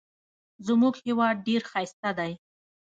زموږ هیواد ډېر ښایسته دی.